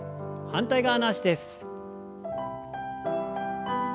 反対側の脚です。